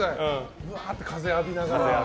うわーって風を浴びながら。